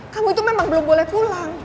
kamu itu memang belum boleh pulang